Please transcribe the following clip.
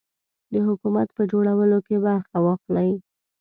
د حکومت په جوړولو کې برخه واخلي.